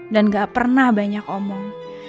dan gak pernah banyak omong